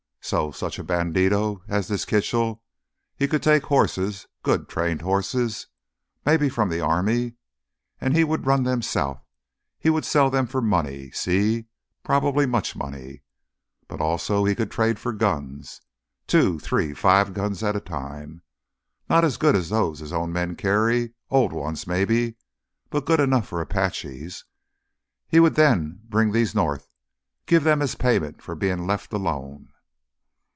So—such a bandido as this Kitchell, he could take horses, good, trained horses—maybe from the army—and he would run them south. He would sell them for money, sí, probably much money. But also he could trade for guns—two, three, five guns at a time. Not as good as those his own men carry—old ones maybe, but good enough for Apaches. He would then bring these north, give them as payment for being left alone."